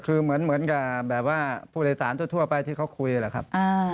ก็คือเหมือนกับผู้โดยศาลทั่วไปที่เขาคุยแหละครับ